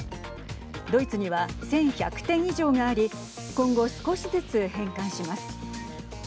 ドイツには１１００点以上があり今後、少しずつ返還します。